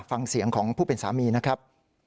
ฟังเสียงของผู้เป็นสามีนะครับ